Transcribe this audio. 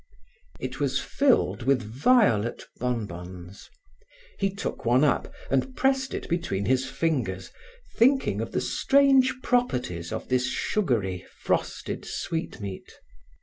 It was filled with violet bonbons. He took one up and pressed it between his fingers, thinking of the strange properties of this sugary, frosted sweetmeat.